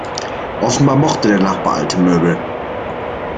Offenbar mochte der Nachbar alte Möbel.